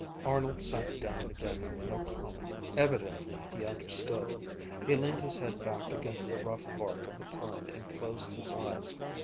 Arnold sat down again with no comment. Evidently he understood. He leaned his head back against the rough bark of the pine, and closed his eyes.